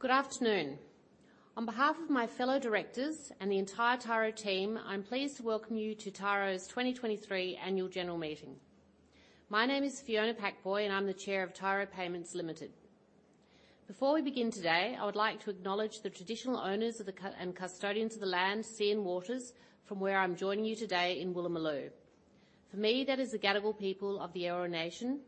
Good afternoon. On behalf of my fellow Directors and the entire Tyro team, I'm pleased to welcome you to Tyro's 2023 Annual General Meeting. My name is Fiona Pak-Poy, and I'm the Chair of Tyro Payments Limited. Before we begin today, I would like to acknowledge the traditional owners of the and custodians of the land, sea, and waters from where I'm joining you today in Woolloomooloo. For me, that is the Gadigal people of the Eora Nation.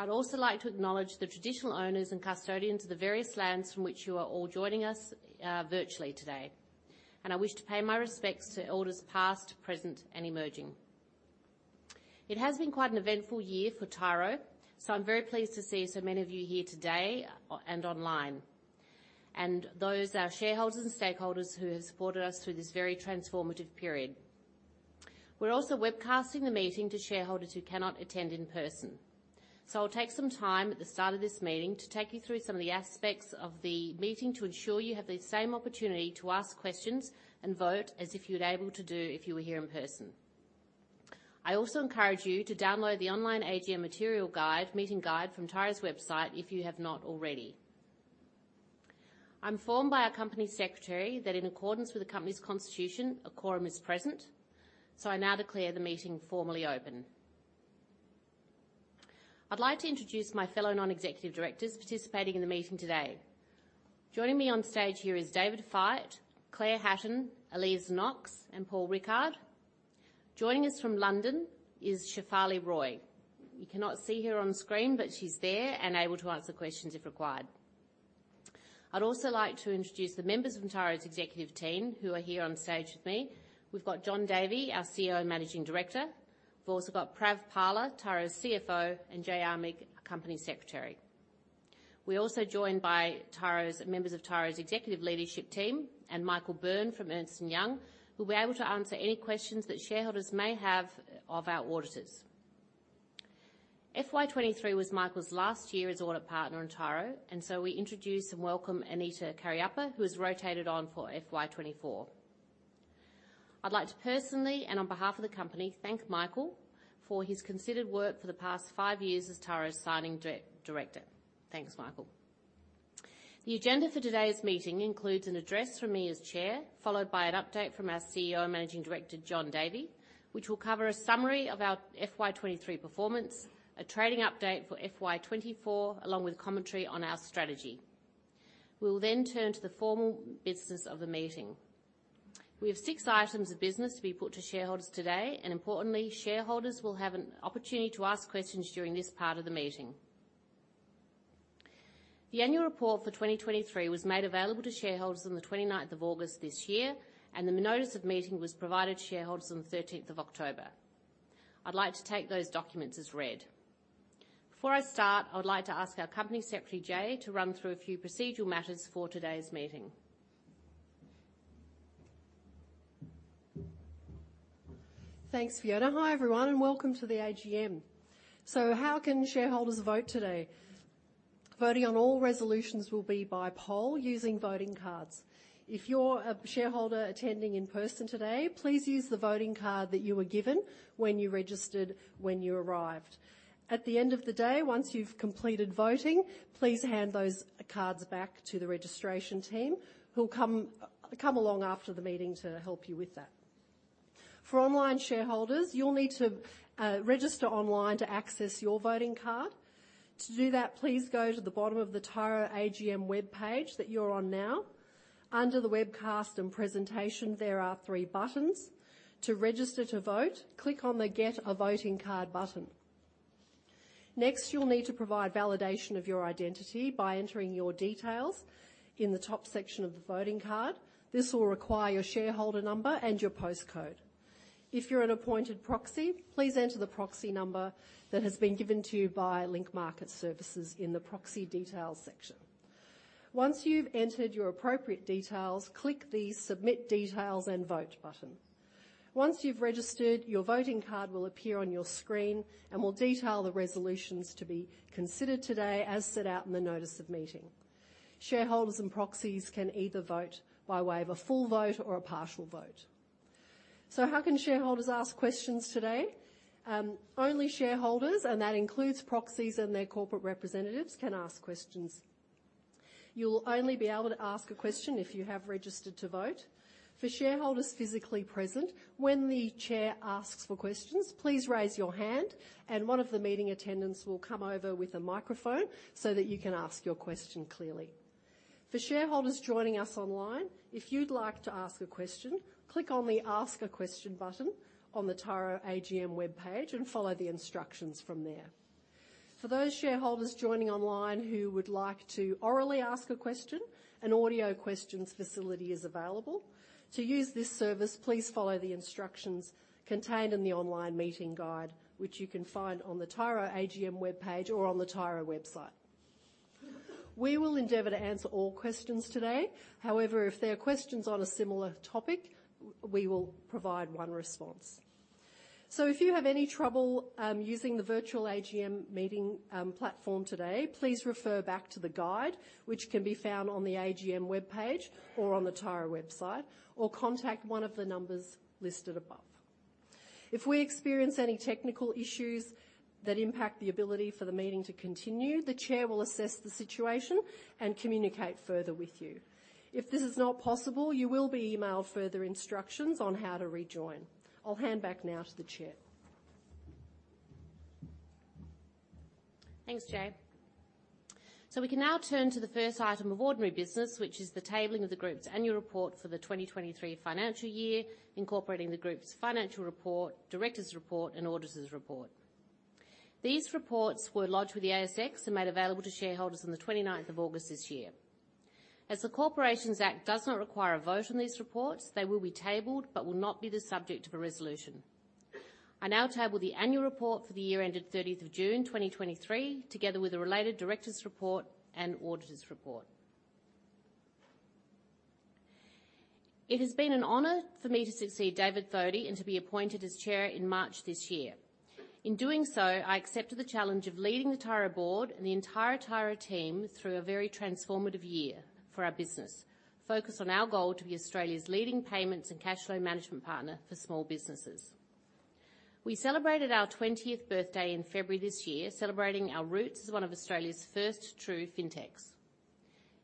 I'd also like to acknowledge the traditional owners and custodians of the various lands from which you are all joining us virtually today, and I wish to pay my respects to elders past, present, and emerging. It has been quite an eventful year for Tyro, so I'm very pleased to see so many of you here today, and online, and those our shareholders and stakeholders who have supported us through this very transformative period. We're also webcasting the meeting to shareholders who cannot attend in person. So I'll take some time at the start of this meeting to take you through some of the aspects of the meeting to ensure you have the same opportunity to ask questions and vote as if you were able to do if you were here in person. I also encourage you to download the online AGM material guide, meeting guide from Tyro's website if you have not already. I'm informed by our Company Secretary that in accordance with the company's constitution, a quorum is present, so I now declare the meeting formally open. I'd like to introduce my fellow Non-Executive Directors participating in the meeting today. Joining me on stage here is David Fite, Claire Hatton, Aliza Knox, and Paul Rickard. Joining us from London is Shefali Roy. You cannot see her on screen, but she's there and able to answer questions if required. I'd also like to introduce the members from Tyro's Executive team, who are here on stage with me. We've got Jon Davey, our CEO and Managing Director. We've also got Pravir Vohra, Tyro's CFO, and Jairan Amigh, our Company Secretary. We're also joined by members of Tyro's Executive Leadership team and Michael Byrne from Ernst & Young, who will be able to answer any questions that shareholders may have of our auditors. FY 2023 was Michael's last year as audit partner in Tyro, and so we introduce and welcome Anita Kariappa, who has rotated on for FY 2024. I'd like to personally, and on behalf of the company, thank Michael for his considered work for the past five years as Tyro's Signing Director. Thanks, Michael. The agenda for today's meeting includes an address from me as Chair, followed by an update from our CEO and Managing Director, Jon Davey, which will cover a summary of our FY 2023 performance, a trading update for FY 2024, along with commentary on our strategy. We will then turn to the formal business of the meeting. We have six items of business to be put to shareholders today, and importantly, shareholders will have an opportunity to ask questions during this part of the meeting. The annual report for 2023 was made available to shareholders on the 29th of August this year, and the Notice of Meeting was provided to shareholders on the 13th of October. I'd like to take those documents as read. Before I start, I would like to ask our Company Secretary, Jai, to run through a few procedural matters for today's meeting. Thanks, Fiona. Hi, everyone, and welcome to the AGM. So how can shareholders vote today? Voting on all resolutions will be by poll using voting cards. If you're a shareholder attending in person today, please use the voting card that you were given when you registered when you arrived. At the end of the day, once you've completed voting, please hand those cards back to the registration team, who'll come, come along after the meeting to help you with that. For online shareholders, you'll need to register online to access your voting card. To do that, please go to the bottom of the Tyro AGM webpage that you're on now. Under the webcast and presentation, there are three buttons. To register to vote, click on the Get a Voting Card button. Next, you'll need to provide validation of your identity by entering your details in the top section of the voting card. This will require your shareholder number and your postcode. If you're an appointed proxy, please enter the proxy number that has been given to you by Link Market Services in the Proxy Details section. Once you've entered your appropriate details, click the Submit Details and Vote button. Once you've registered, your voting card will appear on your screen and will detail the resolutions to be considered today, as set out in the Notice of Meeting. Shareholders and proxies can either vote by way of a full vote or a partial vote. So how can shareholders ask questions today? Only shareholders, and that includes proxies and their corporate representatives, can ask questions. You'll only be able to ask a question if you have registered to vote. For shareholders physically present, when the Chair asks for questions, please raise your hand, and one of the meeting attendants will come over with a microphone so that you can ask your question clearly. For shareholders joining us online, if you'd like to ask a question, click on the Ask a Question button on the Tyro AGM webpage and follow the instructions from there. For those shareholders joining online who would like to orally ask a question, an audio questions facility is available. To use this service, please follow the instructions contained in the online meeting guide, which you can find on the Tyro AGM webpage or on the Tyro website. We will endeavor to answer all questions today. However, if there are questions on a similar topic, we will provide one response. So if you have any trouble using the virtual AGM meeting platform today, please refer back to the guide, which can be found on the AGM webpage or on the Tyro website, or contact one of the numbers listed above.... If we experience any technical issues that impact the ability for the meeting to continue, the Chair will assess the situation and communicate further with you. If this is not possible, you will be emailed further instructions on how to rejoin. I'll hand back now to the Chair. Thanks, Jai. We can now turn to the first item of ordinary business, which is the tabling of the Group's annual report for the 2023 financial year, incorporating the Group's financial report, Directors' report, and Auditors' report. These reports were lodged with the ASX and made available to shareholders on the 29th of August this year. As the Corporations Act does not require a vote on these reports, they will be tabled but will not be the subject of a resolution. I now table the annual report for the year ended 30th of June, 2023, together with a related directors' report and auditors' report. It has been an honor for me to succeed David Thodey and to be appointed as Chair in March this year. In doing so, I accepted the challenge of leading the Tyro board and the entire Tyro team through a very transformative year for our business, focused on our goal to be Australia's leading payments and cash flow management partner for small businesses. We celebrated our 20th birthday in February this year, celebrating our roots as one of Australia's first true fintechs.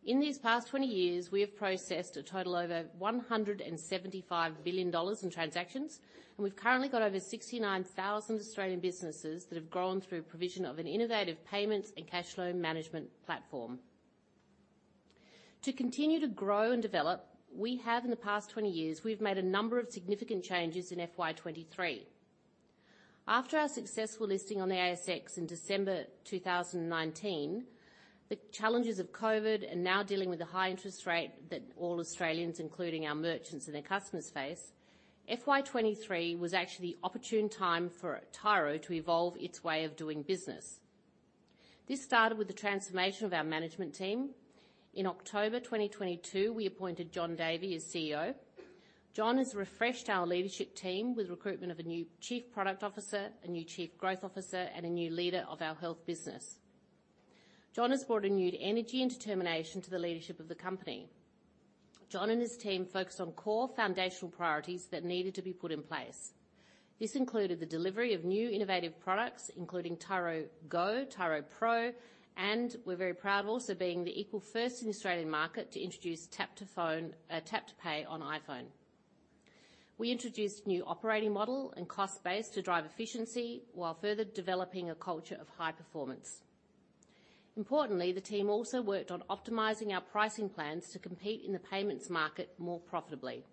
In these past 20 years, we have processed a total over AUD 175 billion in transactions, and we've currently got over 69,000 Australian businesses that have grown through provision of an innovative payments and cash flow management platform. To continue to grow and develop, we have in the past 20 years, we've made a number of significant changes in FY 2023. After our successful listing on the ASX in December 2019, the challenges of COVID and now dealing with the high interest rate that all Australians, including our merchants and their customers face, FY 2023 was actually the opportune time for Tyro to evolve its way of doing business. This started with the transformation of our management team. In October 2022, we appointed Jon Davey as CEO. Jon has refreshed our leadership team with recruitment of a new Chief Product Officer, a new Chief Growth Officer, and a new leader of our health business. Jon has brought a renewed energy and determination to the leadership of the company. Jon and his team focused on core foundational priorities that needed to be put in place. This included the delivery of new innovative products, including Tyro Go, Tyro Pro, and we're very proud also being the equal first in the Australian market to introduce Tap to Phone, Tap to Pay on iPhone. We introduced new operating model and cost base to drive efficiency, while further developing a culture of high performance. Importantly, the team also worked on optimizing our pricing plans to compete in the payments market more profitably.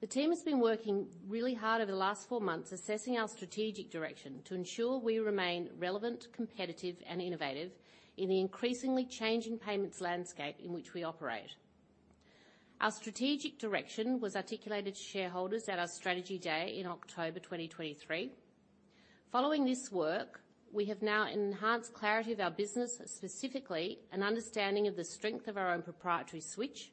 The team has been working really hard over the last four months, assessing our strategic direction to ensure we remain relevant, competitive, and innovative in the increasingly changing payments landscape in which we operate. Our strategic direction was articulated to shareholders at our Strategy Day in October 2023. Following this work, we have now enhanced clarity of our business, specifically an understanding of the strength of our own proprietary switch,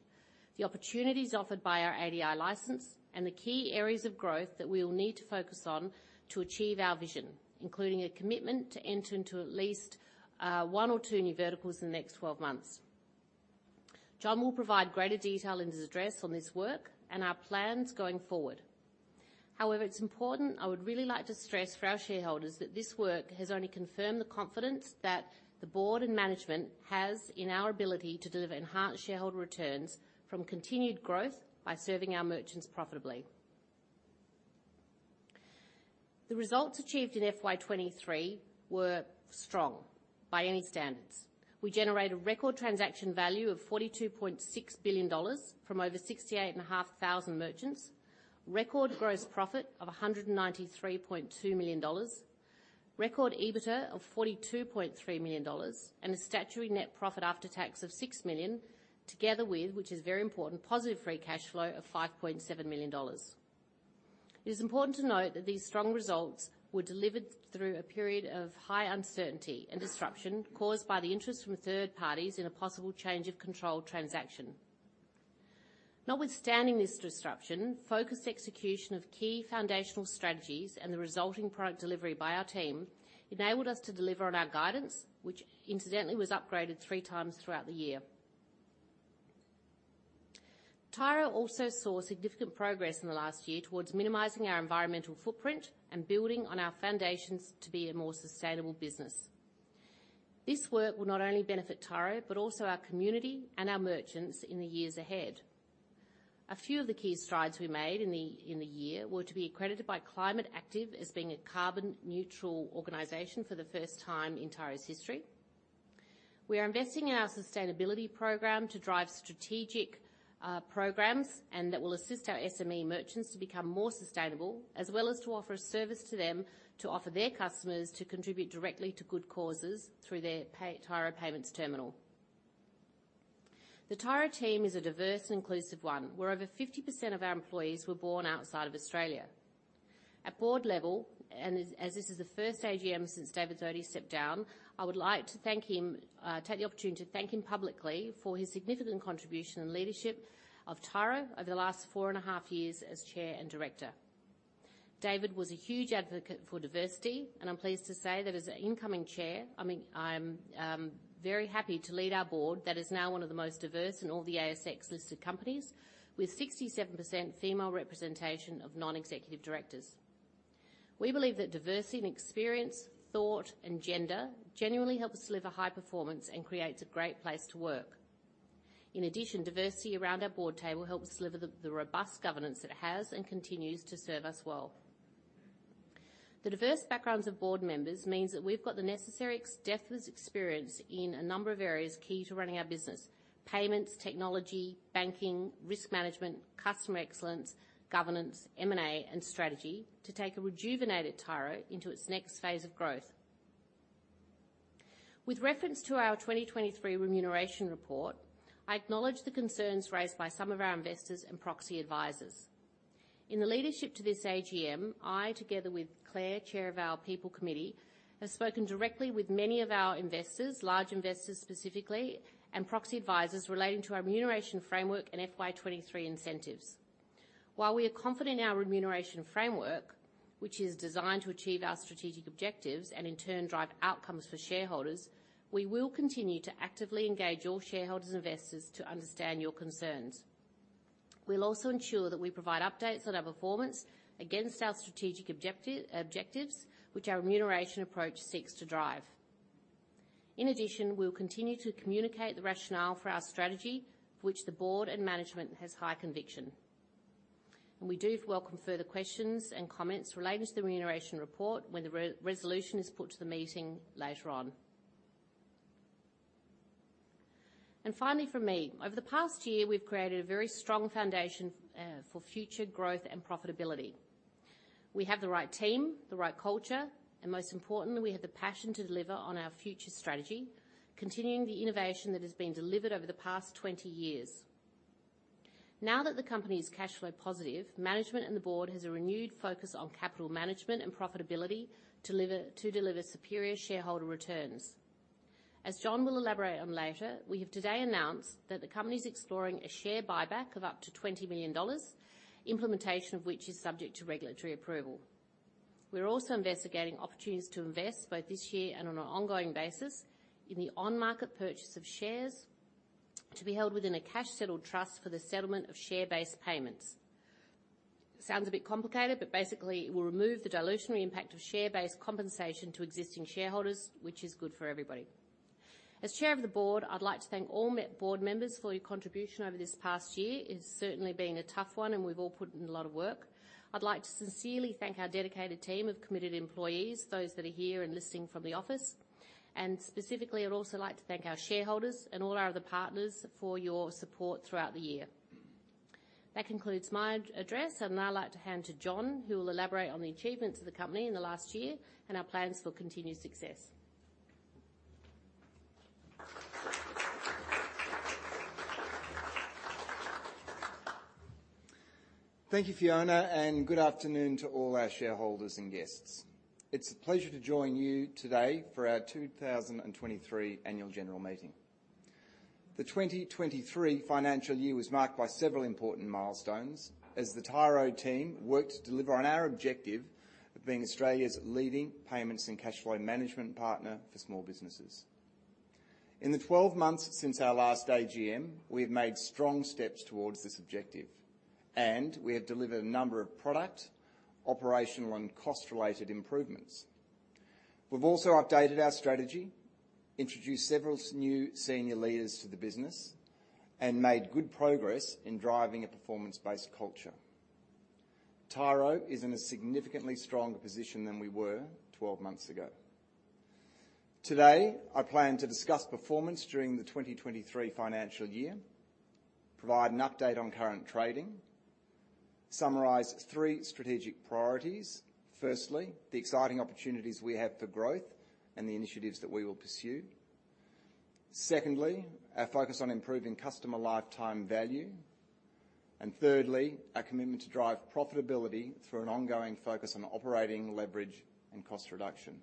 the opportunities offered by our ADI License, and the key areas of growth that we will need to focus on to achieve our vision, including a commitment to enter into at least one or two new verticals in the next twelve months. Jon will provide greater detail in his address on this work and our plans going forward. However, it's important, I would really like to stress for our shareholders, that this work has only confirmed the confidence that the board and management has in our ability to deliver enhanced shareholder returns from continued growth by serving our merchants profitably. The results achieved in FY 2023 were strong by any standards. We generated a record transaction value of 42.6 billion dollars from over 68,500 merchants, record gross profit of 193.2 million dollars, record EBITDA of 42.3 million dollars, and a statutory net profit after tax of 6 million, together with, which is very important, positive free cash flow of 5.7 million dollars. It is important to note that these strong results were delivered through a period of high uncertainty and disruption caused by the interest from third parties in a possible change-of-control transaction. Notwithstanding this disruption, focused execution of key foundational strategies and the resulting product delivery by our team enabled us to deliver on our guidance, which incidentally was upgraded 3 times throughout the year. Tyro also saw significant progress in the last year towards minimizing our environmental footprint and building on our foundations to be a more sustainable business. This work will not only benefit Tyro, but also our community and our merchants in the years ahead. A few of the key strides we made in the year were to be accredited by Climate Active as being a carbon neutral organization for the first time in Tyro's history. We are investing in our sustainability program to drive strategic programs, and that will assist our SME merchants to become more sustainable, as well as to offer a service to them to offer their customers to contribute directly to good causes through their pay... Tyro Payments terminal. The Tyro team is a diverse and inclusive one, where over 50% of our employees were born outside of Australia. At board level, as this is the first AGM since David Thodey stepped down, I would like to thank him, take the opportunity to thank him publicly for his significant contribution and leadership of Tyro over the last 4.5 years as Chair and Director. David was a huge advocate for diversity, and I'm pleased to say that as the incoming Chair, I mean, I am very happy to lead our board that is now one of the most diverse in all the ASX-listed companies, with 67% female representation of non-executive directors. We believe that diversity and experience, thought, and gender genuinely helps deliver high performance and creates a great place to work. In addition, diversity around our board table helps deliver the robust governance that it has and continues to serve us well. The diverse backgrounds of board members means that we've got the necessary in-depth of experience in a number of areas key to running our business: payments, technology, banking, risk management, customer excellence, governance, M&A, and strategy to take a rejuvenated Tyro into its next phase of growth. With reference to our 2023 remuneration report, I acknowledge the concerns raised by some of our investors and proxy advisors. In the lead-up to this AGM, I, together with Claire, Chair of our People Committee, have spoken directly with many of our investors, large investors specifically, and proxy advisors relating to our remuneration framework and FY 2023 incentives. While we are confident in our remuneration framework, which is designed to achieve our strategic objectives and in turn drive outcomes for shareholders, we will continue to actively engage all shareholders and investors to understand your concerns. We'll also ensure that we provide updates on our performance against our strategic objectives, which our remuneration approach seeks to drive. In addition, we'll continue to communicate the rationale for our strategy, for which the board and management has high conviction, and we do welcome further questions and comments relating to the remuneration report when the resolution is put to the meeting later on. Finally, from me, over the past year, we've created a very strong foundation for future growth and profitability. We have the right team, the right culture, and most importantly, we have the passion to deliver on our future strategy, continuing the innovation that has been delivered over the past 20 years. Now that the company is cash flow positive, management and the board has a renewed focus on capital management and profitability to deliver, to deliver superior shareholder returns. As Jon will elaborate on later, we have today announced that the company is exploring a share buyback of up to 20 million dollars, implementation of which is subject to regulatory approval. We're also investigating opportunities to invest, both this year and on an ongoing basis, in the on-market purchase of shares to be held within a cash settle trust for the settlement of share-based payments. Sounds a bit complicated, but basically it will remove the dilutionary impact of share-based compensation to existing shareholders, which is good for everybody. As Chair of the board, I'd like to thank all board members for your contribution over this past year. It's certainly been a tough one, and we've all put in a lot of work. I'd like to sincerely thank our dedicated team of committed employees, those that are here and listening from the office. Specifically, I'd also like to thank our shareholders and all our other partners for your support throughout the year. That concludes my address, and I'd like to hand to Jon, who will elaborate on the achievements of the company in the last year and our plans for continued success. Thank you, Fiona, and good afternoon to all our shareholders and guests. It's a pleasure to join you today for our 2023 annual general meeting. The 2023 financial year was marked by several important milestones as the Tyro team worked to deliver on our objective of being Australia's leading payments and cash flow management partner for small businesses. In the 12 months since our last AGM, we have made strong steps towards this objective, and we have delivered a number of product, operational, and cost-related improvements. We've also updated our strategy, introduced several new senior leaders to the business, and made good progress in driving a performance-based culture. Tyro is in a significantly stronger position than we were 12 months ago. Today, I plan to discuss performance during the 2023 financial year, provide an update on current trading, summarize three strategic priorities. Firstly, the exciting opportunities we have for growth and the initiatives that we will pursue. Secondly, our focus on improving customer lifetime value. And thirdly, our commitment to drive profitability through an ongoing focus on operating leverage and cost reduction.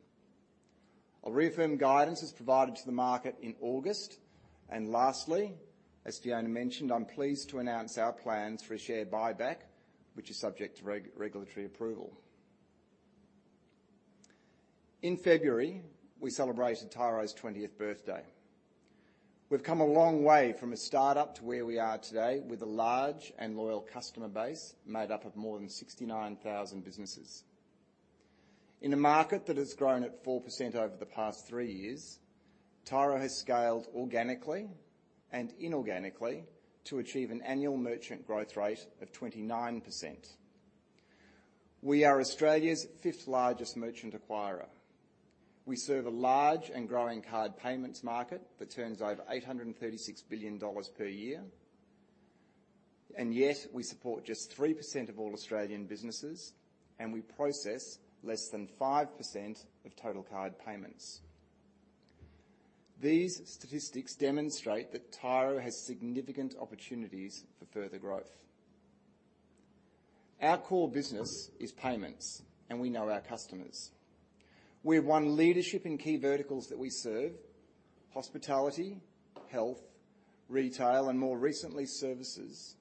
I'll reaffirm guidance as provided to the market in August, and lastly, as Fiona mentioned, I'm pleased to announce our plans for a share buyback, which is subject to regulatory approval. In February, we celebrated Tyro's twentieth birthday. We've come a long way from a start-up to where we are today, with a large and loyal customer base made up of more than 69,000 businesses. In a market that has grown at 4% over the past three years, Tyro has scaled organically and inorganically to achieve an annual merchant growth rate of 29%. We are Australia's fifth largest merchant acquirer. We serve a large and growing card payments market that turns over 836 billion dollars per year, and yet we support just 3% of all Australian businesses, and we process less than 5% of total card payments. These statistics demonstrate that Tyro has significant opportunities for further growth. Our core business is payments, and we know our customers. We have won leadership in key verticals that we serve, hospitality, health, retail, and more recently, services,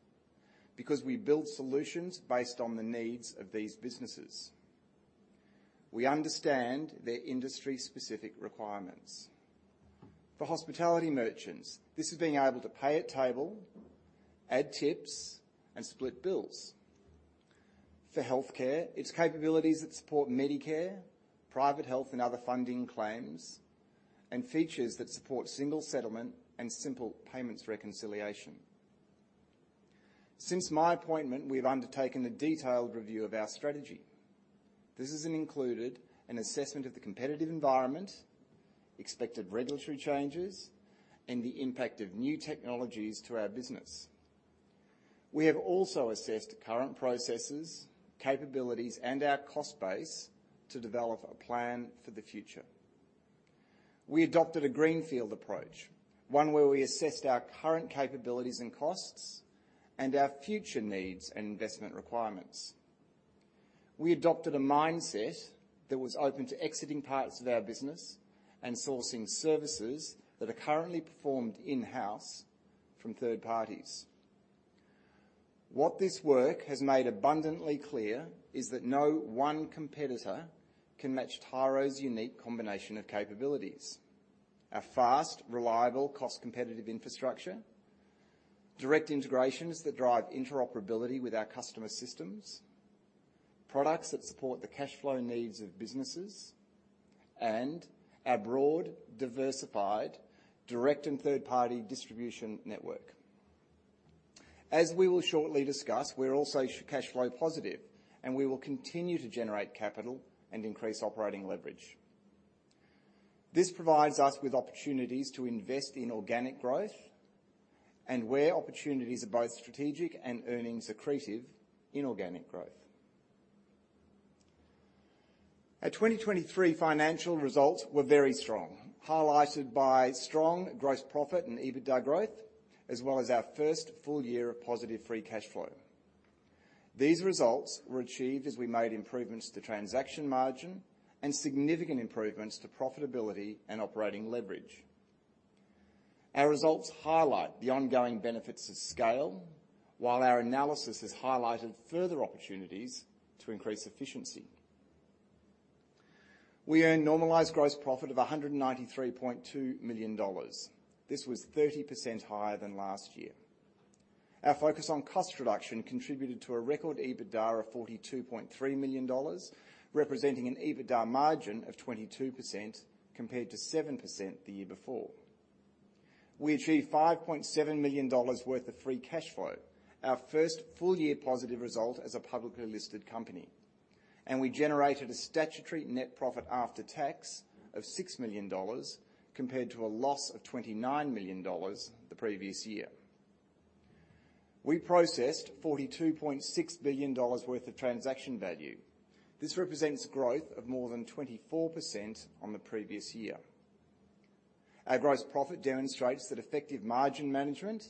because we build solutions based on the needs of these businesses. We understand their industry-specific requirements. For hospitality merchants, this is being able to pay at table, add tips, and split bills. For healthcare, it's capabilities that support Medicare, private health, and other funding claims, and features that support single settlement and simple payments reconciliation. Since my appointment, we've undertaken a detailed review of our strategy. This has included an assessment of the competitive environment, expected regulatory changes, and the impact of new technologies to our business. We have also assessed current processes, capabilities, and our cost base to develop a plan for the future. We adopted a greenfield approach, one where we assessed our current capabilities and costs and our future needs and investment requirements. We adopted a mindset that was open to exiting parts of our business and sourcing services that are currently performed in-house from third parties. What this work has made abundantly clear is that no one competitor can match Tyro's unique combination of capabilities: a fast, reliable, cost-competitive infrastructure; direct integrations that drive interoperability with our customer systems; products that support the cash flow needs of businesses; and our broad, diversified, direct and third-party distribution network. As we will shortly discuss, we're also cash flow positive, and we will continue to generate capital and increase operating leverage. This provides us with opportunities to invest in organic growth and where opportunities are both strategic and earnings accretive in organic growth. Our 2023 financial results were very strong, highlighted by strong gross profit and EBITDA growth, as well as our first full year of positive free cash flow. These results were achieved as we made improvements to transaction margin and significant improvements to profitability and operating leverage. Our results highlight the ongoing benefits of scale, while our analysis has highlighted further opportunities to increase efficiency. We earned normalized gross profit of AUD 193.2 million. This was 30% higher than last year. Our focus on cost reduction contributed to a record EBITDA of 42.3 million dollars, representing an EBITDA margin of 22%, compared to 7% the year before. We achieved 5.7 million dollars worth of free cash flow, our first full-year positive result as a publicly listed company, and we generated a statutory net profit after tax of 6 million dollars, compared to a loss of 29 million dollars the previous year. We processed 42.6 billion dollars worth of transaction value. This represents growth of more than 24% on the previous year. Our gross profit demonstrates that effective margin management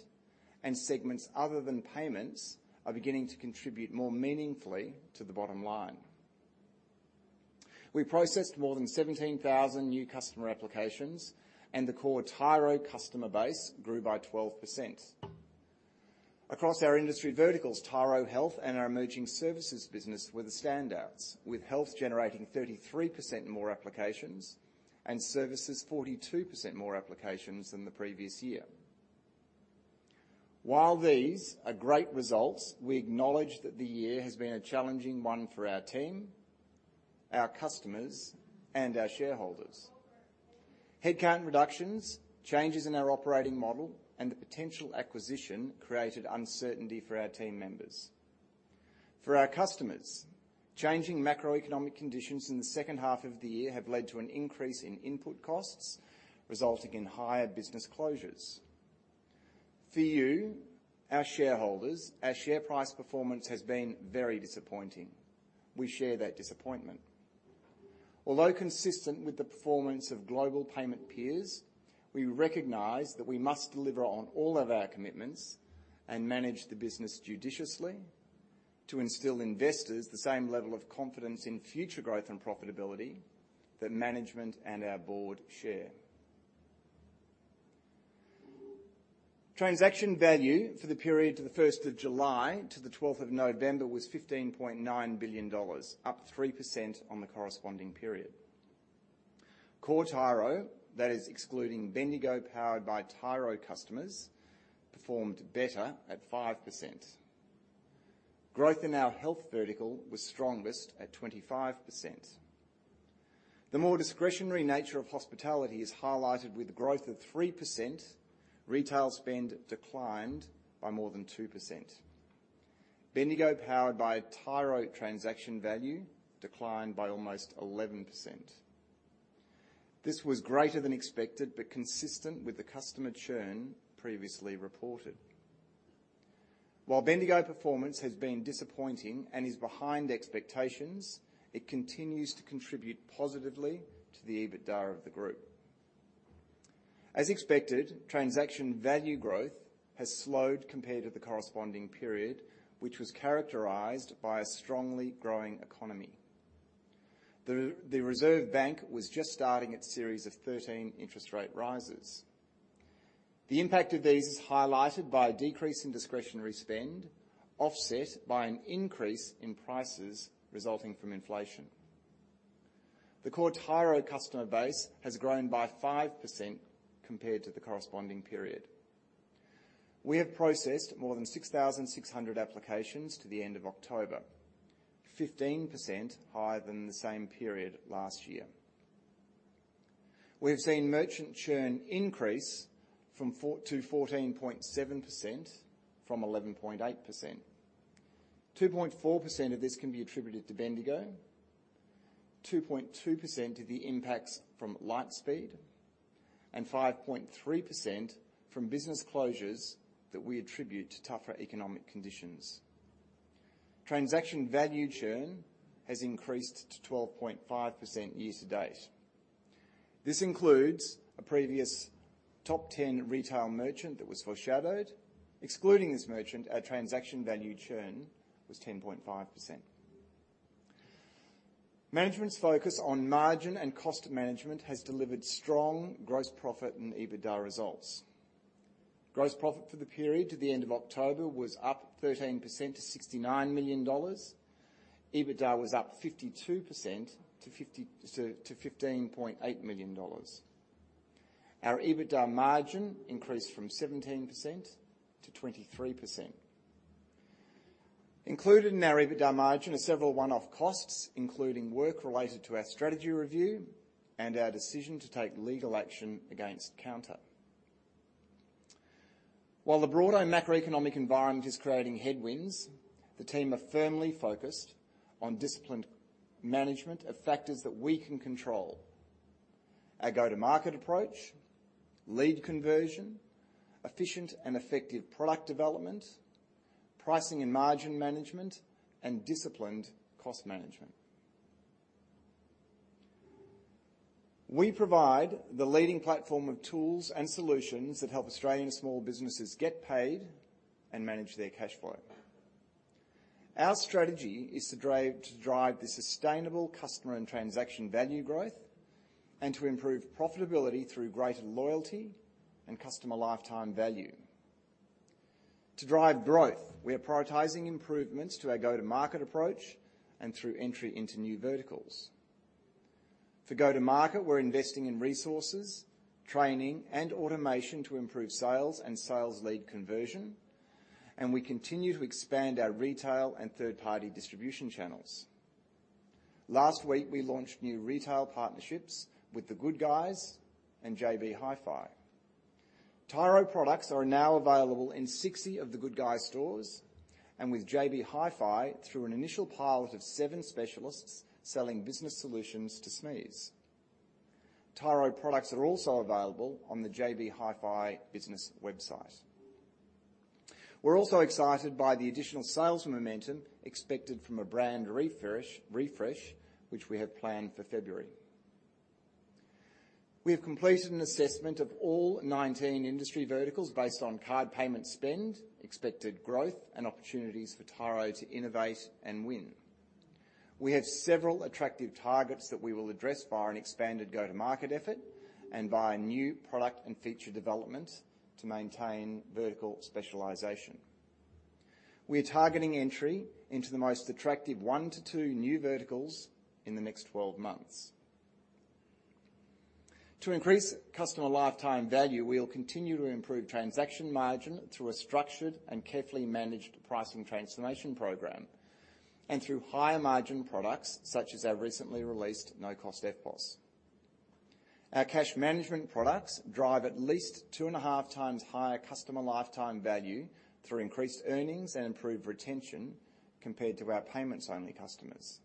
and segments other than payments are beginning to contribute more meaningfully to the bottom line. We processed more than 17,000 new customer applications, and the core Tyro customer base grew by 12%. Across our industry verticals, Tyro Health and our emerging services business were the standouts, with Health generating 33% more applications and Services 42% more applications than the previous year. While these are great results, we acknowledge that the year has been a challenging one for our team, our customers, and our shareholders. Headcount reductions, changes in our operating model, and the potential acquisition created uncertainty for our team members. For our customers, changing macroeconomic conditions in the second half of the year have led to an increase in input costs, resulting in higher business closures. For you, our shareholders, our share price performance has been very disappointing. We share that disappointment. Although consistent with the performance of global payment peers, we recognize that we must deliver on all of our commitments and manage the business judiciously to instill investors the same level of confidence in future growth and profitability that management and our board share. Transaction value for the period to the first of July to the twelfth of November was 15.9 billion dollars, up 3% on the corresponding period. Core Tyro, that is excluding Bendigo Powered by Tyro customers, performed better at 5%. Growth in our Health vertical was strongest at 25%. The more discretionary nature of hospitality is highlighted with growth of 3%. Retail spend declined by more than 2%. Bendigo Powered by Tyro transaction value declined by almost 11%. This was greater than expected, but consistent with the customer churn previously reported. While Bendigo performance has been disappointing and is behind expectations, it continues to contribute positively to the EBITDA of the group. As expected, transaction value growth has slowed compared to the corresponding period, which was characterized by a strongly growing economy. The Reserve Bank was just starting its series of 13 interest rate rises. The impact of these is highlighted by a decrease in discretionary spend, offset by an increase in prices resulting from inflation. The core Tyro customer base has grown by 5% compared to the corresponding period. We have processed more than 6,600 applications to the end of October, 15% higher than the same period last year. We have seen merchant churn increase from 4%-14.7% from 11.8%. 2.4% of this can be attributed to Bendigo, 2.2% to the impacts from Lightspeed, and 5.3% from business closures that we attribute to tougher economic conditions. Transaction value churn has increased to 12.5% year to date. This includes a previous top 10 retail merchant that was foreshadowed. Excluding this merchant, our transaction value churn was 10.5%. Management's focus on margin and cost management has delivered strong gross profit and EBITDA results. Gross profit for the period to the end of October was up 13% to 69 million dollars. EBITDA was up 52% to 15.8 million dollars. Our EBITDA margin increased from 17%-23%. Included in our EBITDA margin are several one-off costs, including work related to our strategy review and our decision to take legal action against Kounta. While the broader macroeconomic environment is creating headwinds, the team are firmly focused on disciplined management of factors that we can control: our go-to-market approach, lead conversion, efficient and effective product development, pricing and margin management, and disciplined cost management. We provide the leading platform of tools and solutions that help Australian small businesses get paid and manage their cash flow. Our strategy is to drive, to drive the sustainable customer and transaction value growth, and to improve profitability through greater loyalty and customer lifetime value. To drive growth, we are prioritizing improvements to our go-to-market approach and through entry into new verticals. For go-to-market, we're investing in resources, training, and automation to improve sales and sales lead conversion, and we continue to expand our retail and third-party distribution channels. Last week, we launched new retail partnerships with The Good Guys and JB Hi-Fi. Tyro products are now available in 60 of The Good Guys stores, and with JB Hi-Fi through an initial pilot of seven specialists selling business solutions to SMEs. Tyro products are also available on the JB Hi-Fi business website. We're also excited by the additional sales momentum expected from a brand refresh, which we have planned for February. We have completed an assessment of all 19 industry verticals based on card payment spend, expected growth, and opportunities for Tyro to innovate and win. We have several attractive targets that we will address via an expanded go-to-market effort and via new product and feature development to maintain vertical specialization. We are targeting entry into the most attractive one-two new verticals in the next 12 months. To increase customer lifetime value, we will continue to improve transaction margin through a structured and carefully managed pricing transformation program, and through higher margin products, such as our recently released no-cost EFTPOS. Our cash management products drive at least 2.5x higher customer lifetime value through increased earnings and improved retention compared to our payments-only customers.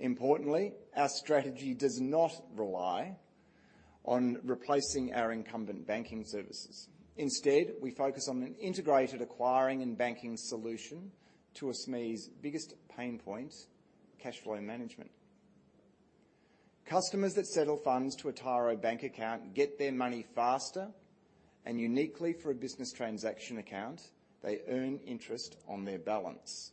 Importantly, our strategy does not rely on replacing our incumbent banking services. Instead, we focus on an integrated acquiring and banking solution to a SME's biggest pain point, cash flow management. Customers that settle funds to a Tyro bank account get their money faster, and uniquely for a business transaction account, they earn interest on their balance.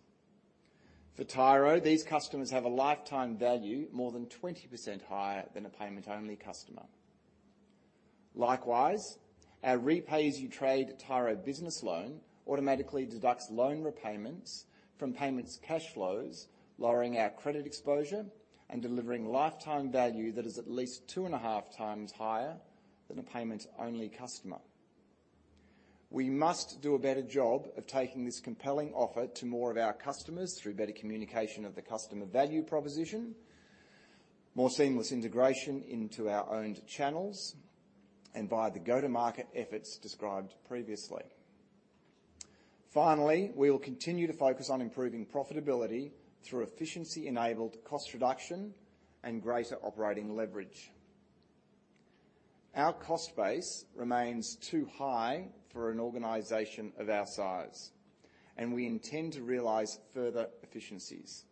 For Tyro, these customers have a lifetime value more than 20% higher than a payment-only customer. Likewise, our Repay as You Trade Tyro Business Loan automatically deducts loan repayments from payments cash flows, lowering our credit exposure and delivering lifetime value that is at least 2.5x higher than a payments-only customer. We must do a better job of taking this compelling offer to more of our customers through better communication of the customer value proposition, more seamless integration into our owned channels, and via the go-to-market efforts described previously. Finally, we will continue to focus on improving profitability through efficiency-enabled cost reduction and greater operating leverage. Our cost base remains too high for an organization of our size, and we intend to realize further efficiencies.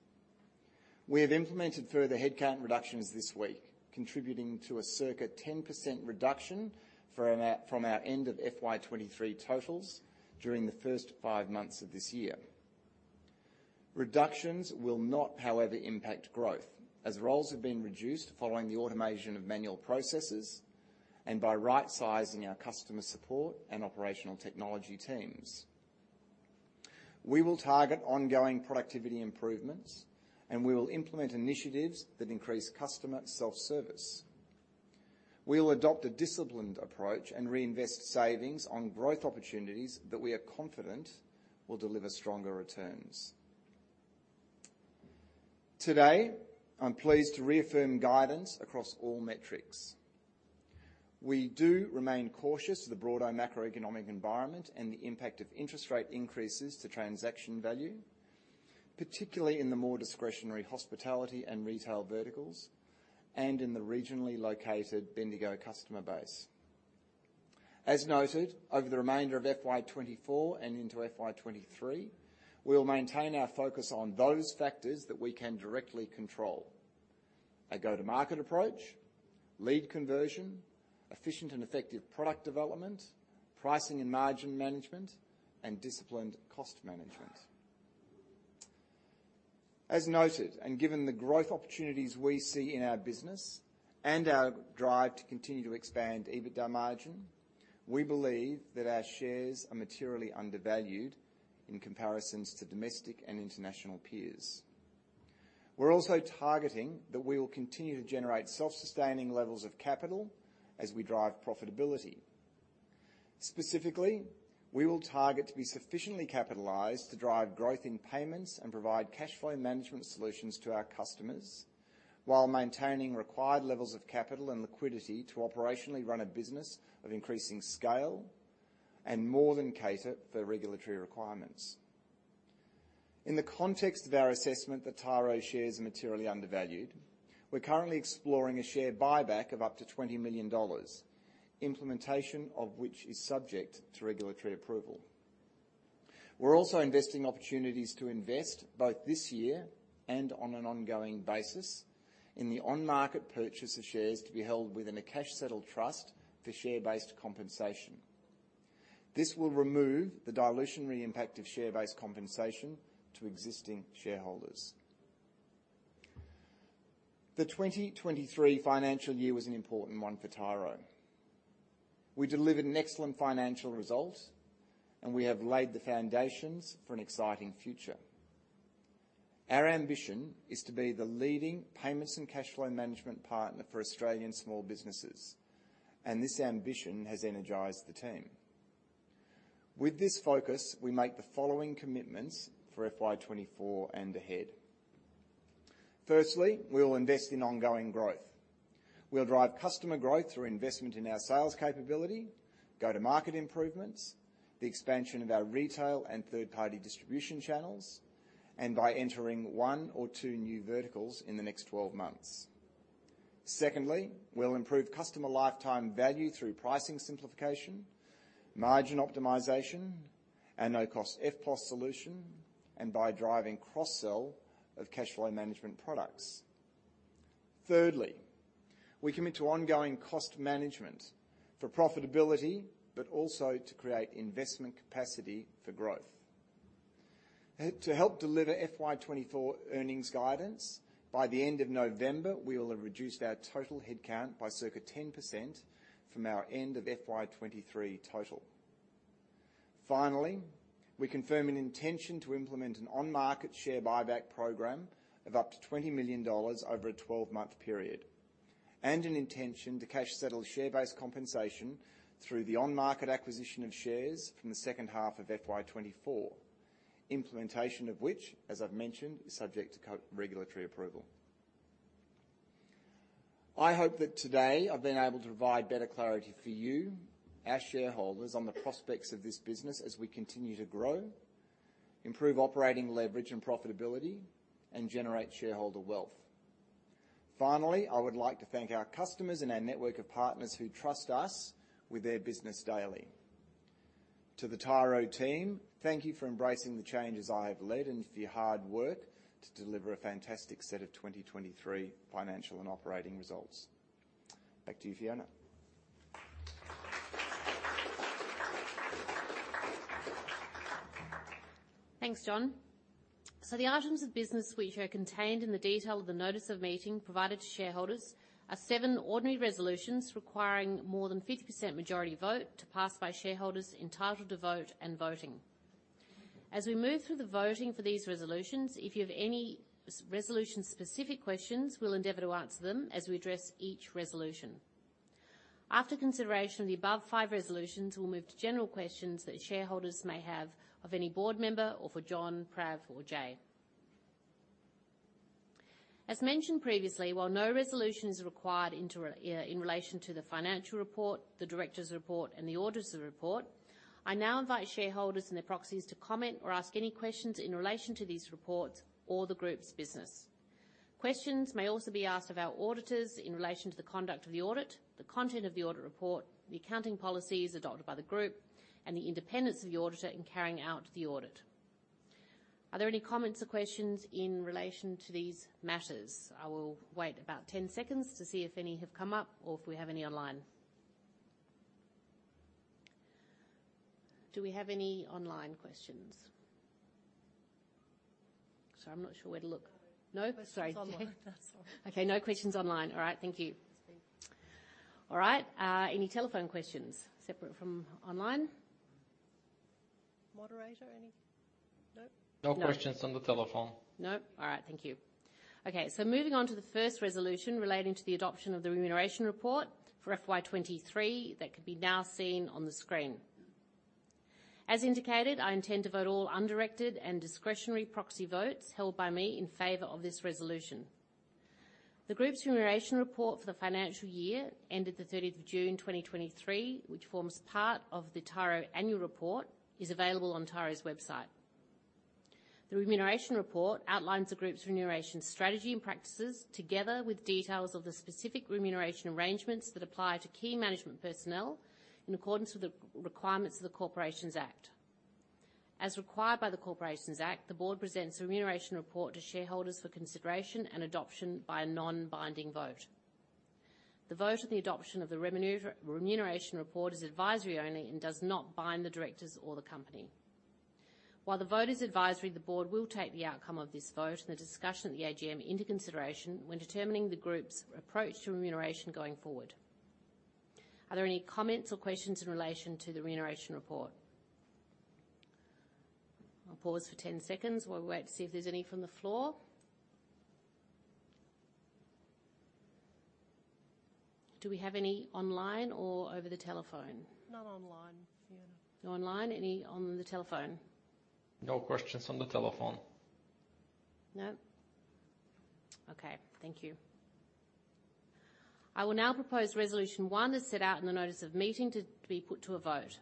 We have implemented further headcount reductions this week, contributing to a circa 10% reduction from our end of FY 2023 totals during the first five months of this year. Reductions will not, however, impact growth, as roles have been reduced following the automation of manual processes and by right-sizing our customer support and operational technology teams. We will target ongoing productivity improvements, and we will implement initiatives that increase customer self-service. We will adopt a disciplined approach and reinvest savings on growth opportunities that we are confident will deliver stronger returns. Today, I'm pleased to reaffirm guidance across all metrics. We do remain cautious of the broader macroeconomic environment and the impact of interest rate increases to transaction value, particularly in the more discretionary hospitality and retail verticals and in the regionally located Bendigo customer base. As noted, over the remainder of FY 2024 and into FY 2023, we'll maintain our focus on those factors that we can directly control: a go-to-market approach, lead conversion, efficient and effective product development, pricing and margin management, and disciplined cost management. As noted, and given the growth opportunities we see in our business and our drive to continue to expand EBITDA margin, we believe that our shares are materially undervalued in comparisons to domestic and international peers. We're also targeting that we will continue to generate self-sustaining levels of capital as we drive profitability. Specifically, we will target to be sufficiently capitalized to drive growth in payments and provide cashflow management solutions to our customers, while maintaining required levels of capital and liquidity to operationally run a business of increasing scale and more than cater for regulatory requirements. In the context of our assessment that Tyro shares are materially undervalued, we're currently exploring a share buyback of up to 20 million dollars, implementation of which is subject to regulatory approval. We're also investing opportunities to invest, both this year and on an ongoing basis, in the on-market purchase of shares to be held within a cash settle trust for share-based compensation. This will remove the dilutionary impact of share-based compensation to existing shareholders. The 2023 financial year was an important one for Tyro. We delivered an excellent financial result, and we have laid the foundations for an exciting future. Our ambition is to be the leading payments and cash flow management partner for Australian small businesses, and this ambition has energized the team. With this focus, we make the following commitments for FY 2024 and ahead. Firstly, we will invest in ongoing growth. We'll drive customer growth through investment in our sales capability, go-to-market improvements, the expansion of our retail and third-party distribution channels, and by entering 1 or 2 new verticals in the next 12 months. Secondly, we'll improve customer lifetime value through pricing simplification, margin optimization, and no-cost EFTPOS solution, and by driving cross-sell of cashflow management products. Thirdly, we commit to ongoing cost management for profitability, but also to create investment capacity for growth. To help deliver FY 2024 earnings guidance, by the end of November, we will have reduced our total headcount by circa 10% from our end of FY 2023 total. Finally, we confirm an intention to implement an on-market share buyback program of up to 20 million dollars over a 12-month period, and an intention to cash settle share-based compensation through the on-market acquisition of shares from the second half of FY 2024. Implementation of which, as I've mentioned, is subject to co-regulatory approval. I hope that today I've been able to provide better clarity for you, our shareholders, on the prospects of this business as we continue to grow, improve operating leverage and profitability, and generate shareholder wealth. Finally, I would like to thank our customers and our network of partners who trust us with their business daily. To the Tyro team, thank you for embracing the changes I have led and for your hard work to deliver a fantastic set of 2023 financial and operating results. Back to you, Fiona. Thanks, Jon. So the items of business which are contained in the detail of the notice of meeting provided to shareholders are seven ordinary resolutions requiring more than 50% majority vote to pass by shareholders entitled to vote and voting. As we move through the voting for these resolutions, if you have any resolution-specific questions, we'll endeavor to answer them as we address each resolution. After consideration of the above five resolutions, we'll move to general questions that shareholders may have of any Board Member or for Jon, Prav, or Jai. As mentioned previously, while no resolution is required in relation to the financial report, the directors' report, and the auditor's report, I now invite shareholders and their proxies to comment or ask any questions in relation to these reports or the group's business. Questions may also be asked of our auditors in relation to the conduct of the audit, the content of the audit report, the accounting policies adopted by the Group, and the independence of the auditor in carrying out the audit. Are there any comments or questions in relation to these matters? I will wait about 10 seconds to see if any have come up or if we have any online.... Do we have any online questions? Sorry, I'm not sure where to look. No? Sorry. Questions online. Okay, no questions online. All right, thank you. All right, any telephone questions separate from online? Moderator, any? No. No questions on the telephone. No? All right, thank you. Okay, so moving on to the first resolution relating to the adoption of the remuneration report for FY 2023, that can be now seen on the screen. As indicated, I intend to vote all undirected and discretionary proxy votes held by me in favor of this resolution. The group's remuneration report for the financial year ended the 30th of June, 2023, which forms part of the Tyro annual report, is available on Tyro's website. The remuneration report outlines the group's remuneration strategy and practices, together with details of the specific remuneration arrangements that apply to key management personnel in accordance with the requirements of the Corporations Act. As required by the Corporations Act, the board presents a remuneration report to shareholders for consideration and adoption by a non-binding vote. The vote of the adoption of the remuneration report is advisory only and does not bind the directors or the company. While the vote is advisory, the board will take the outcome of this vote and the discussion at the AGM into consideration when determining the group's approach to remuneration going forward. Are there any comments or questions in relation to the remuneration report? I'll pause for 10 seconds while we wait to see if there's any from the floor. Do we have any online or over the telephone? Not online, Fiona. No online. Any on the telephone? No questions on the telephone. No? Okay. Thank you. I will now propose Resolution 1, as set out in the notice of meeting, to be put to a vote.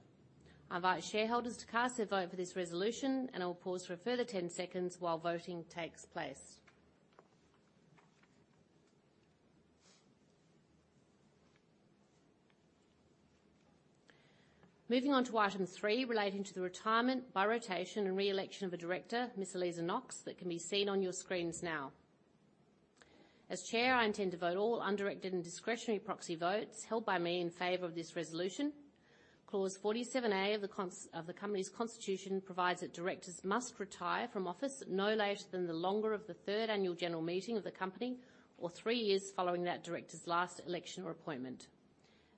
I invite shareholders to cast their vote for this resolution, and I will pause for a further 10 seconds while voting takes place. Moving on to item three, relating to the retirement by rotation and re-election of a director, Ms. Aliza Knox, that can be seen on your screens now. As Chair, I intend to vote all undirected and discretionary proxy votes held by me in favor of this resolution. Clause 47A of the constitution provides that directors must retire from office at no later than the longer of the third annual general meeting of the company or three years following that director's last election or appointment.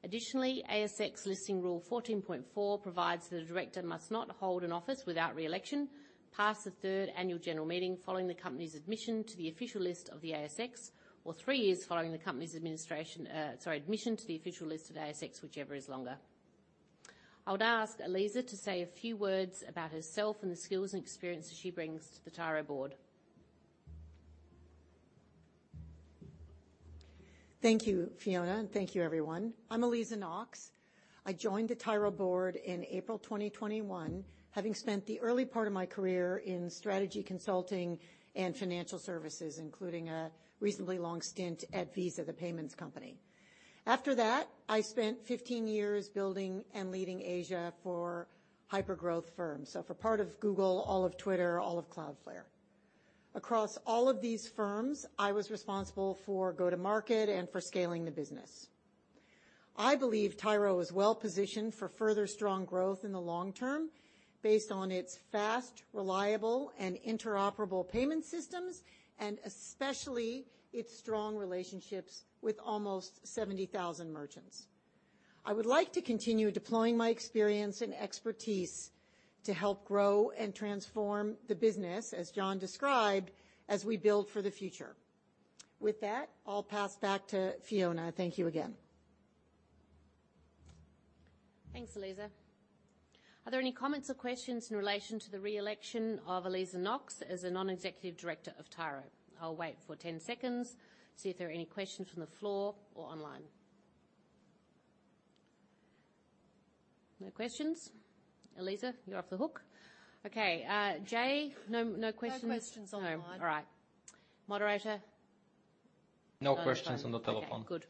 Additionally, ASX Listing Rule 14.4 provides that a director must not hold an office without re-election past the third annual general meeting following the company's admission to the official list of the ASX, or three years following the company's admission to the official list of ASX, whichever is longer. I would ask Aliza to say a few words about herself and the skills and experiences she brings to the Tyro board. Thank you, Fiona, and thank you, everyone. I'm Aliza Knox. I joined the Tyro board in April 2021, having spent the early part of my career in strategy consulting and financial services, including a reasonably long stint at Visa, the payments company. After that, I spent 15 years building and leading Asia for hypergrowth firms. So for part of Google, all of Twitter, all of Cloudflare. Across all of these firms, I was responsible for go-to-market and for scaling the business. I believe Tyro is well positioned for further strong growth in the long term based on its fast, reliable, and interoperable payment systems, and especially its strong relationships with almost 70,000 merchants. I would like to continue deploying my experience and expertise to help grow and transform the business, as Jon described, as we build for the future. With that, I'll pass back to Fiona. Thank you again. Thanks, Aliza. Are there any comments or questions in relation to the re-election of Aliza Knox as a Non-Executive Director of Tyro? I'll wait for 10 seconds, see if there are any questions from the floor or online. No questions? Aliza, you're off the hook. Okay, Jai, no, no questions? No questions online. No. All right. Moderator? No questions on the telephone. Okay, good.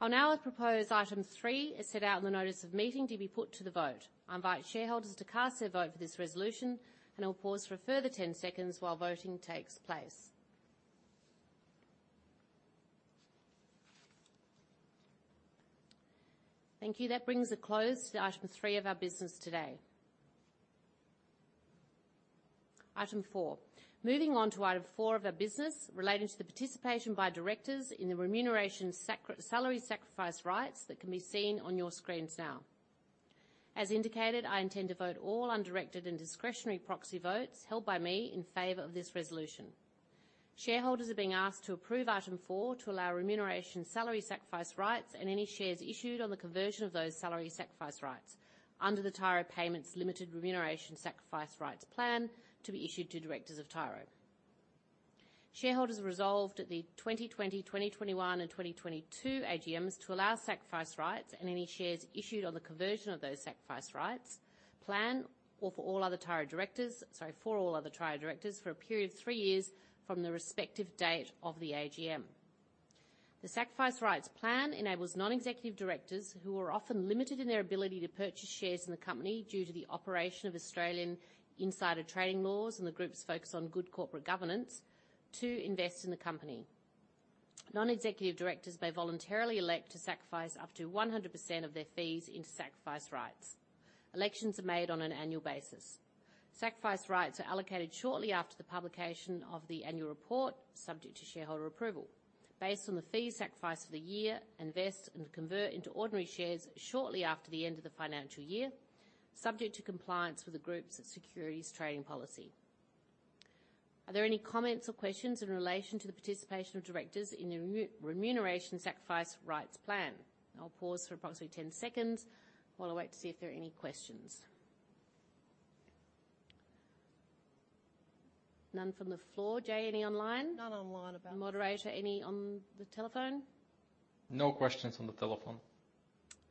I'll now propose item three, as set out in the notice of meeting, to be put to the vote. I invite shareholders to cast their vote for this resolution, and I'll pause for a further 10 seconds while voting takes place. Thank you. That brings a close to item three of our business today. Item four. Moving on to item four of our business, relating to the participation by directors in the remuneration sacrifice rights that can be seen on your screens now. As indicated, I intend to vote all undirected and discretionary proxy votes held by me in favor of this resolution. Shareholders are being asked to approve item four to allow remuneration salary sacrifice rights and any shares issued on the conversion of those salary sacrifice rights under the Tyro Payments Limited Remuneration Sacrifice Rights Plan to be issued to directors of Tyro. Shareholders resolved at the 2020, 2021, and 2022 AGMs to allow sacrifice rights and any shares issued on the conversion of those sacrifice rights, plan or for all other Tyro directors - sorry, for all other Tyro directors, for a period of three years from the respective date of the AGM. The Sacrifice Rights Plan enables non-executive directors, who are often limited in their ability to purchase shares in the company due to the operation of Australian insider trading laws and the group's focus on good corporate governance, to invest in the company.... Non-Executive Directors may voluntarily elect to sacrifice up to 100% of their fees into sacrifice rights. Elections are made on an annual basis. Sacrificed rights are allocated shortly after the publication of the annual report, subject to shareholder approval. Based on the fees sacrificed for the year, and vest and convert into ordinary shares shortly after the end of the financial year, subject to compliance with the group's securities trading policy. Are there any comments or questions in relation to the participation of directors in the Remuneration Sacrifice Rights Plan? I'll pause for approximately 10 seconds while I wait to see if there are any questions. None from the floor. Jai, any online? None online, about- Moderator, any on the telephone? No questions on the telephone.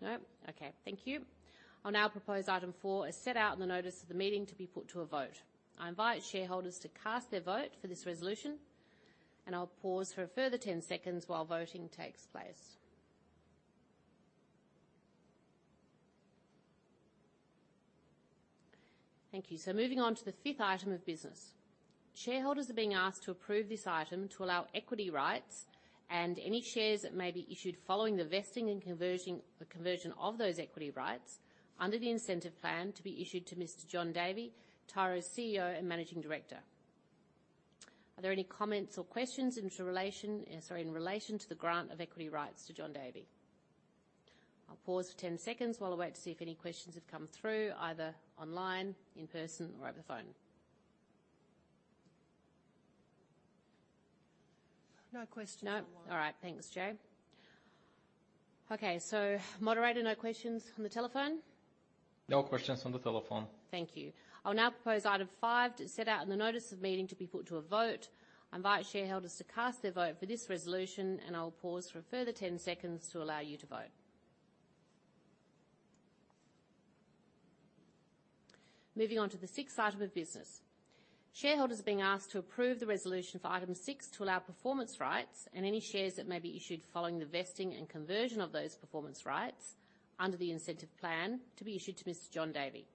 No? Okay, thank you. I'll now propose Item four, as set out in the notice of the meeting to be put to a vote. I invite shareholders to cast their vote for this resolution, and I'll pause for a further 10 seconds while voting takes place. Thank you. Moving on to the fifth item of business. Shareholders are being asked to approve this item to allow equity rights and any shares that may be issued following the vesting and conversion, the conversion of those equity rights under the incentive plan to be issued to Mr. Jon Davey, Tyro's CEO and Managing Director. Are there any comments or questions into relation... Sorry, in relation to the grant of equity rights to Jon Davey? I'll pause for 10 seconds while I wait to see if any questions have come through, either online, in person, or over the phone. No questions online. No. All right. Thanks, Jai. Okay, so moderator, no questions on the telephone? No questions on the telephone. Thank you. I'll now propose Item five, as set out in the notice of meeting, to be put to a vote. I invite shareholders to cast their vote for this resolution, and I'll pause for a further 10 seconds to allow you to vote. Moving on to the sixth item of business. Shareholders are being asked to approve the resolution for item six to allow performance rights and any shares that may be issued following the vesting and conversion of those performance rights under the incentive plan to be issued to Mr. Jon Davey.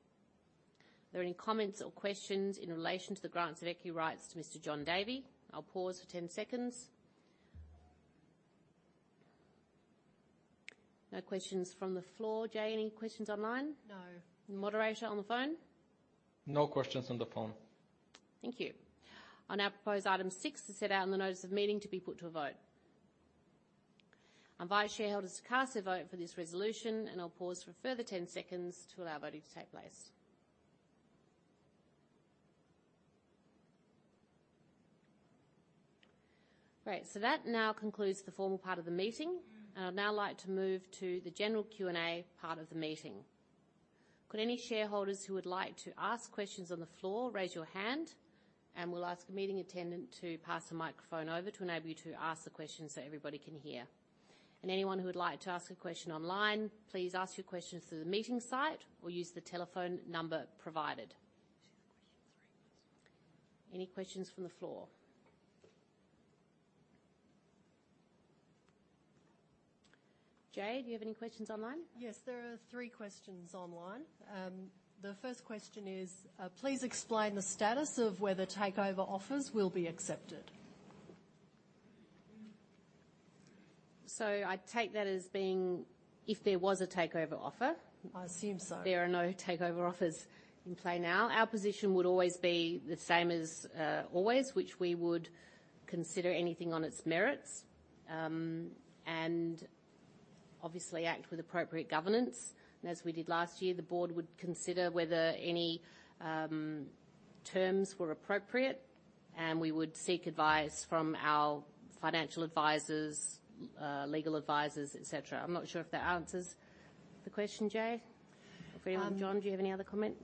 Are there any comments or questions in relation to the grants of equity rights to Mr. Jon Davey? I'll pause for 10 seconds. No questions from the floor. Jai, any questions online? No. Moderator, on the phone? No questions on the phone. Thank you. I'll now propose Item 6, as set out in the notice of meeting, to be put to a vote. I invite shareholders to cast their vote for this resolution, and I'll pause for a further 10 seconds to allow voting to take place. Great, so that now concludes the formal part of the meeting. Mm. I'd now like to move to the general Q&A part of the meeting. Could any shareholders who would like to ask questions on the floor raise your hand, and we'll ask a meeting attendant to pass the microphone over to enable you to ask the question so everybody can hear. Anyone who would like to ask a question online, please ask your questions through the meeting site or use the telephone number provided. Any questions from the floor? Jai, do you have any questions online? Yes, there are three questions online. The first question is: "Please explain the status of whether takeover offers will be accepted. So I take that as being if there was a takeover offer? I assume so. There are no takeover offers in play now. Our position would always be the same as always, which we would consider anything on its merits, and obviously act with appropriate governance. And as we did last year, the board would consider whether any terms were appropriate, and we would seek advice from our financial advisors, legal advisors, et cetera. I'm not sure if that answers the question, Jai? Um- Jon, do you have any other comment?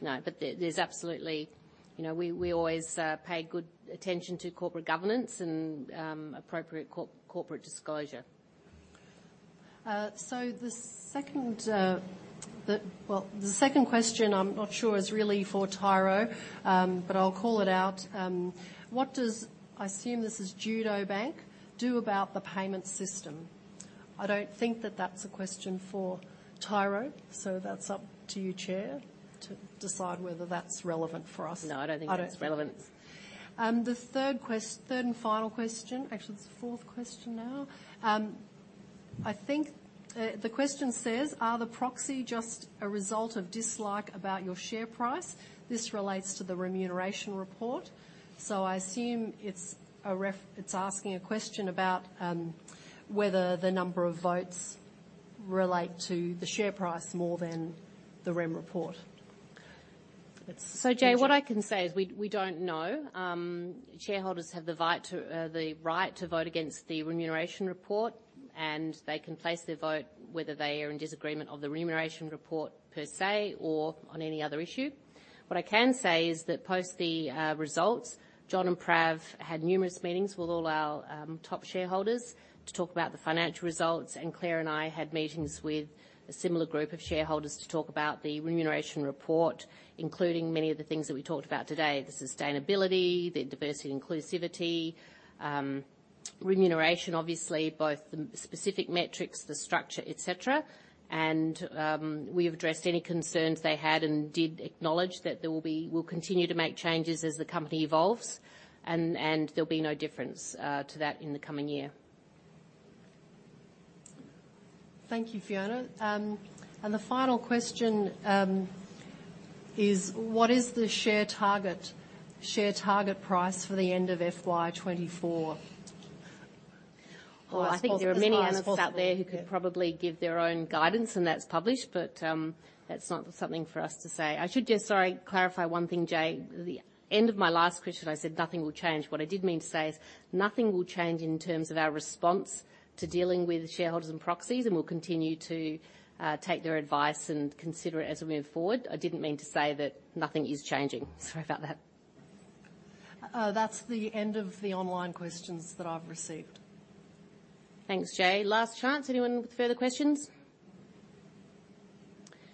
No, but there, there's absolutely... You know, we always pay good attention to corporate governance and appropriate corporate disclosure. So the second, well, the second question, I'm not sure is really for Tyro, but I'll call it out. "What does," I assume this is Judo Bank, "do about the payment system?" I don't think that that's a question for Tyro, so that's up to you, Chair, to decide whether that's relevant for us. No, I don't think it's relevant. I don't. The third and final question, actually, it's the fourth question now. I think, the question says: "Are the proxy just a result of dislike about your share price?" This relates to the remuneration report. So I assume it's asking a question about whether the number of votes relate to the share price more than the rem report. It's- So Jai, what I can say is we don't know. Shareholders have the right to vote against the remuneration report, and they can place their vote whether they are in disagreement of the remuneration report per se, or on any other issue. What I can say is that post the results, Jon and Prav had numerous meetings with all our top shareholders to talk about the financial results, and Claire and I had meetings with a similar group of shareholders to talk about the remuneration report, including many of the things that we talked about today: the sustainability, the diversity and inclusivity, remuneration, obviously, both the specific metrics, the structure, et cetera. We've addressed any concerns they had and did acknowledge that there will be, we'll continue to make changes as the company evolves, and there'll be no difference to that in the coming year. Thank you, Fiona. The final question is: "What is the share target, share target price for the end of FY 2024? Well, I think there are many analysts- As possible- out there who could probably Yeah... give their own guidance, and that's published, but, that's not something for us to say. I should just, sorry, clarify one thing, Jai. The end of my last question, I said nothing will change. What I did mean to say is, nothing will change in terms of our response to dealing with shareholders and proxies, and we'll continue to, take their advice and consider it as we move forward. I didn't mean to say that nothing is changing. Sorry about that. That's the end of the online questions that I've received. Thanks, Jai. Last chance. Anyone with further questions?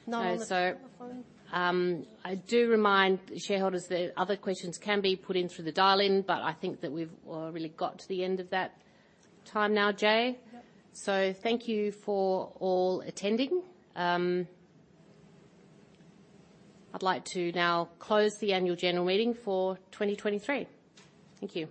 None on the telephone. Okay, so, I do remind shareholders that other questions can be put in through the dial-in, but I think that we've really got to the end of that time now, Jai. Yep. Thank you for all attending. I'd like to now close the Annual General Meeting for 2023. Thank you.